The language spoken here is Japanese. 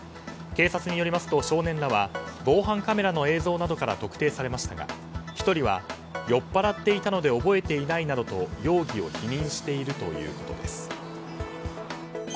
警察によりますと少年らは防犯カメラの映像などから特定されましたが１人は、酔っ払っていたので覚えていないなどと容疑を否認しているということです。